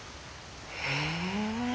へえ。